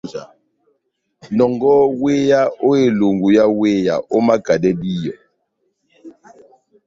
Nɔngɔhɔ wéya ó elungu yá wéya, omakadɛ díyɔ.